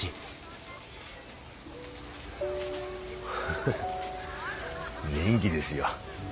フフフ元気ですよ。